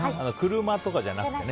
車とかじゃなくてね。